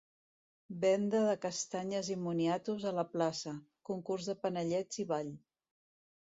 Venda de castanyes i moniatos a la plaça, concurs de panellets i ball.